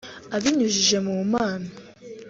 Abinyujije mu mpano